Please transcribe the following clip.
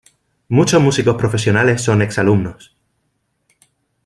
Muchos músicos profesionales son ex alumnos.